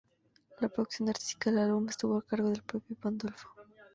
La producción artística del álbum estuvo a cargo del propio Pandolfo.